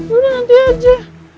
udah nanti aja